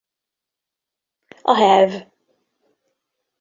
A helv.